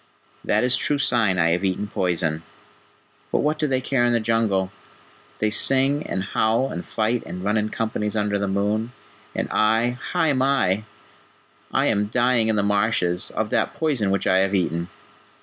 That is true sign I have eaten poison.... But what do they care in the Jungle? They sing and howl and fight, and run in companies under the moon, and I Hai mai! I am dying in the marshes, of that poison which I have eaten."